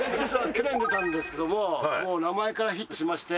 去年出たんですけどももう名前からヒットしまして。